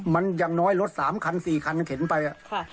มันอย่างน้อยรถ๓คัน๔คันเข็นไป